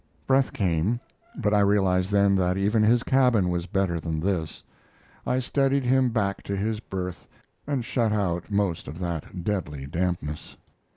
Breath came; but I realized then that even his cabin was better than this. I steadied him back to his berth and shut out most of that deadly dampness.